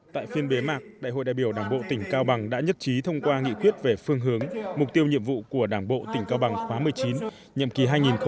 tại phiên bế mạc đại hội đại biểu đảng bộ tỉnh cao bằng đã nhất trí thông qua nghị quyết về phương hướng mục tiêu nhiệm vụ của đảng bộ tỉnh cao bằng khóa một mươi chín nhiệm kỳ hai nghìn hai mươi hai nghìn hai mươi năm